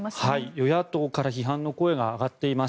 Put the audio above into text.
与野党から批判の声が上がっています。